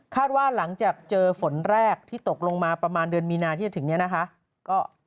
ว่าหลังจากเจอฝนแรกที่ตกลงมาประมาณเดือนมีนาที่จะถึงนี้นะคะ